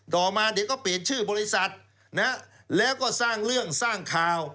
ต่อมาเดี๋ยวก็เปลี่ยนชื่อบริษัทนะแล้วก็สร้างเรื่องสร้างข่าว